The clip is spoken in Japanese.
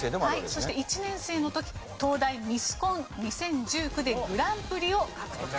そして１年生の時東大ミスコン２０１９でグランプリを獲得しています。